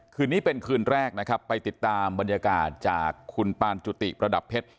คืนนี้เป็นคืนแรกนะครับไปติดตามบรรยากาศจากคุณปานจุติประดับเพชร